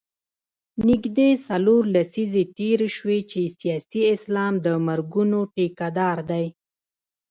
نژدې څلور لسیزې تېرې شوې چې سیاسي اسلام د مرګونو ټیکه دار دی.